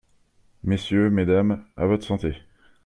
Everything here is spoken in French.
Messieurs, Mesdames, à votre santé.